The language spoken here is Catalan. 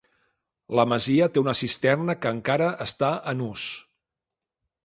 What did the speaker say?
La masia té una cisterna que encara està en ús.